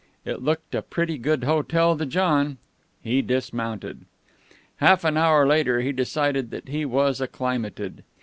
It looked a pretty good hotel to John. He dismounted. Half an hour later he decided that he was acclimated.